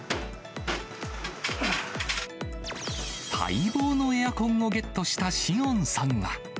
待望のエアコンをゲットした至恩さんは。